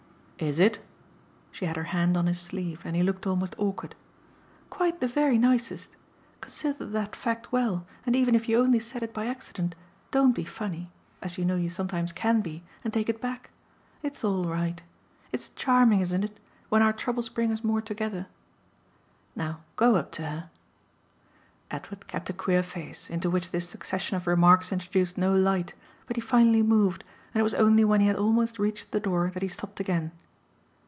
"Is it?" She had her hand on his sleeve, and he looked almost awkward. "Quite the very nicest. Consider that fact well and even if you only said it by accident don't be funny as you know you sometimes CAN be and take it back. It's all right. It's charming, isn't it? when our troubles bring us more together. Now go up to her." Edward kept a queer face, into which this succession of remarks introduced no light, but he finally moved, and it was only when he had almost reached the door that he stopped again.